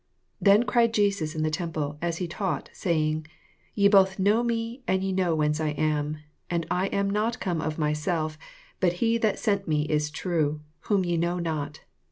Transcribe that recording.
28 Then cried Jesus in the temple as he taught, saying, Ye both know me, and ye know whence I am : and I am not come of myself, but he that gent me is true, whom ye know not.